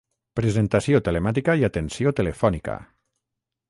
Presentació telemàtica i atenció telefònica.